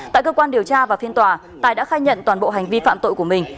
tại cơ quan điều tra và phiên tòa tài đã khai nhận toàn bộ hành vi phạm tội của mình